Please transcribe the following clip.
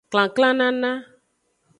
Kaklanana.